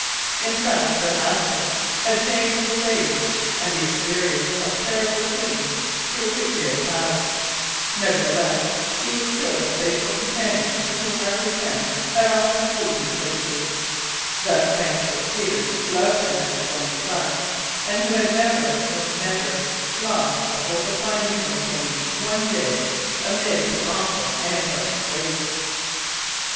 In fact, the half breed had changed with age and the experience of terrible scenes through which he had passed; nevertheless, he was still the faithful companion to whom Arthur Pym had often owed his safety, that same Dirk Peters who loved him as his own son, and who had never no, never lost the hope of finding him again one day amid the awful Antarctic wastes.